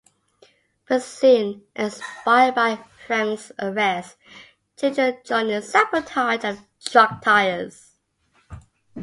But soon, inspired by Frank's arrest, children join in the sabotage of truck tires.